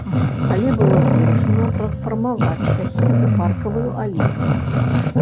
Але было вырашана трансфармаваць шляхі ў паркавую алею.